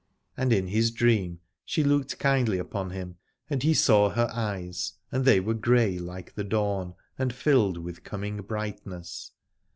And in his dream she looked kindly upon him, and he saw her eyes, and they were grey like the dawn, and filled with coming brightness.